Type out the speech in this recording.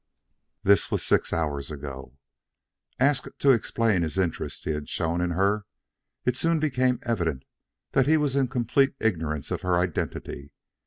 This was six hours ago. Asked to explain the interest he had shown in her, it soon became evident that he was in complete ignorance of her identity.